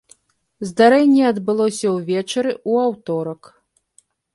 Здарэнне адбылося ўвечары ў аўторак.